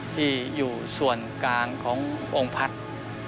ที่อยู่ส่วนกลางขององค์พัฒน์